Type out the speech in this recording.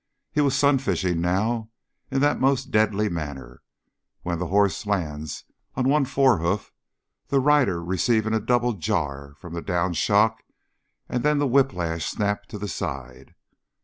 He was sunfishing now in that most deadly manner when the horse lands on one forehoof, the rider receiving a double jar from the down shock and then the whiplash snap to the side.